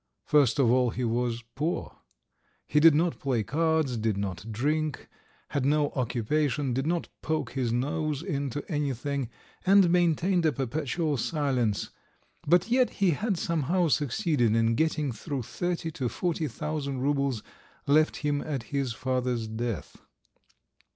First of all he was poor. He did not play cards, did not drink, had no occupation, did not poke his nose into anything, and maintained a perpetual silence but yet he had somehow succeeded in getting through thirty to forty thousand roubles left him at his father's death.